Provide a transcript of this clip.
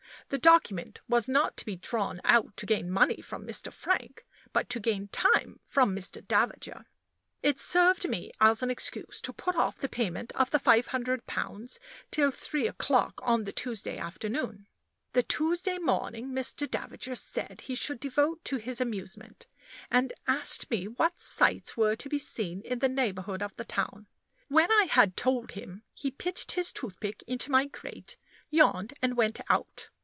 The document was not to be drawn out to gain money from Mr. Frank, but to gain time from Mr. Davager. It served me as an excuse to put off the payment of the five hundred pounds till three o'clock on the Tuesday afternoon. The Tuesday morning Mr. Davager said he should devote to his amusement, and asked me what sights were to be seen in the neighborhood of the town. When I had told him, he pitched his toothpick into my grate, yawned, and went out.